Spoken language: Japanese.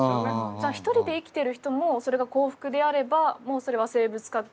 じゃあひとりで生きてる人もそれが幸福であればもうそれは生物学的に成り立ってる？